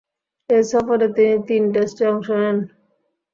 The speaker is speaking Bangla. এ সফরে তিনি তিন টেস্টে অংশ নেন।